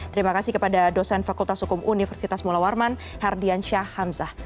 terima kasih kepada dosen fakultas hukum universitas mullah warman hardian shah hamzah